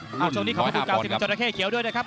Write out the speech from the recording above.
รุ่น๑๐๕ปอนด์ครับช่วงนี้ขอบคุณ๙๐บาทจราเข้เขียวด้วยนะครับ